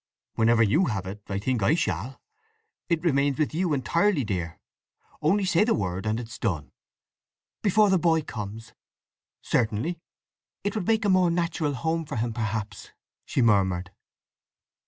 "Whenever you have it, I think I shall. It remains with you entirely, dear. Only say the word, and it's done." "Before the boy comes?" "Certainly." "It would make a more natural home for him, perhaps," she murmured.